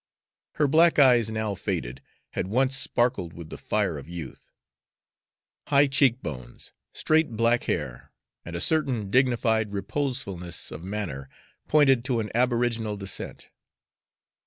Her black eyes, now faded, had once sparkled with the fire of youth. High cheek bones, straight black hair, and a certain dignified reposefulness of manner pointed to an aboriginal descent.